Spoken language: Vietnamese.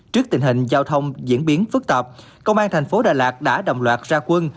trước tình hình giao thông diễn biến phức tạp công an thành phố đà lạt đã đồng loạt ra quân